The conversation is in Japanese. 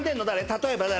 例えば誰？